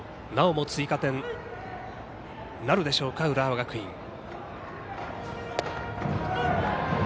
なおも追加点なるでしょうか浦和学院。